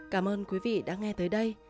cảm ơn quý vị đã nghe tới đây